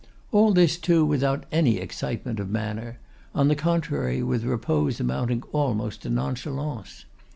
All this, too, without any excitement of manner; on the contrary, with repose amounting almost to nonchalance.